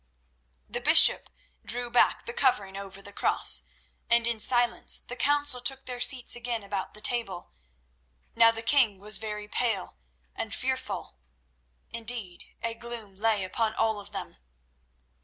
The bishop drew back the covering over the Cross, and in silence the council took their seats again about the table. Now the king was very pale, and fearful; indeed a gloom lay upon all of them.